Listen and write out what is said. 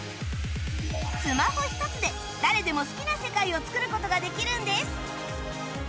スマホ１つで誰でも好きな世界をつくる事ができるんです